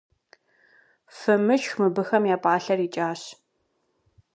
Фымышх, мыбыхэм я пӏалъэр икӏащ.